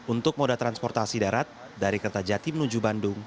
untuk moda transportasi darat dari kertajati menuju bandung